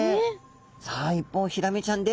さあ一方ヒラメちゃんです。